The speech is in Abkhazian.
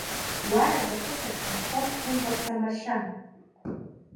Уарда ақыҭа дҭанхон Хьымкәараса Маршьан.